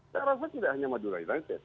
saya rasa tidak hanya madura dirangkes